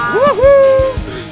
bete itu ips mantap